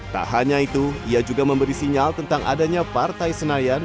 tak hanya itu ia juga memberi sinyal tentang adanya partai senayan